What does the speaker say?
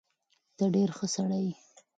ته ډېر ښه سړی یې.